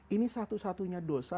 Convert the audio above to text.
ini satu satunya dosa